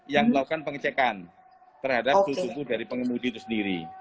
yang melakukan pengecekan terhadap suhu tubuh dari pengemudi itu sendiri